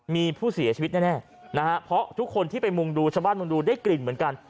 มีผู้เสียชีวิตแน่นะฮะเพราะทุกคนที่ไปมุงดูชาวบ้านมุงดูได้กลิ่นเหมือนกัน